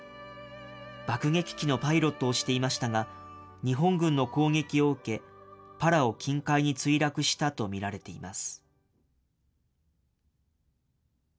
爆撃機のパイロットをしていましたが、日本軍の攻撃を受け、パラオ近海に墜落したと見られています。